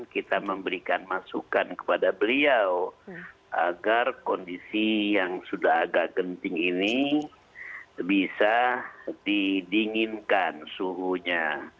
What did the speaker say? kita memberikan masukan kepada beliau agar kondisi yang sudah agak genting ini bisa didinginkan suhunya